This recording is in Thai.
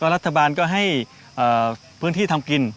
รัฐบาลก็ให้พื้นที่ทำกิน